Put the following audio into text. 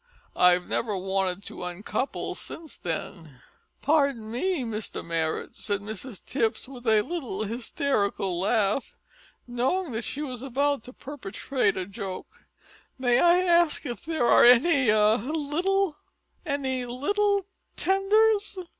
I've never wanted to uncouple since then." "Pardon me, Mr Marrot," said Mrs Tipps, with little hysterical laugh knowing that she was about to perpetrate a joke "may I ask if there are any any little tenders?"